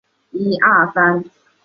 刘谨之为武进西营刘氏第十五世。